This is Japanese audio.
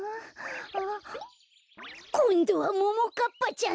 こんどはももかっぱちゃんだ！